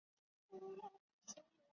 光叶石栎